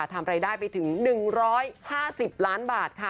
ทำรายได้ไปถึง๑๕๐ล้านบาทค่ะ